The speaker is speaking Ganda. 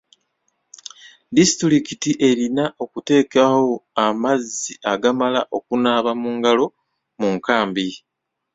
Disitulikiti erina okuteekawo amazzi agamala okunaaba mu ngalo mu nkambi.